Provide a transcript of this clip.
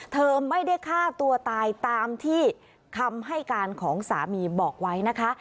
เธอไม่ได้ฆ่าตัวตายตามที่คำให้การของสามีบอกไว้นะคะ